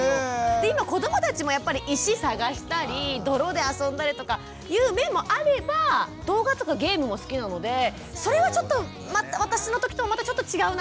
で今子どもたちもやっぱり石探したり泥であそんだりとかいう面もあれば動画とかゲームも好きなのでそれはちょっと私の時とはまたちょっと違うなとか。